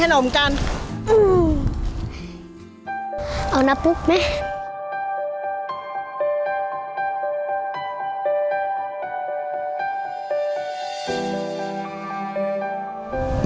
กินขนมกันเอานับปุ๊บไหม